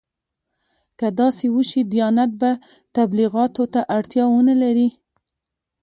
که داسې وشي دیانت به تبلیغاتو ته اړتیا ونه لري.